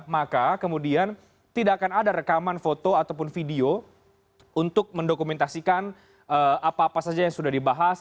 maka kemudian tidak akan ada rekaman foto ataupun video untuk mendokumentasikan apa apa saja yang sudah dibahas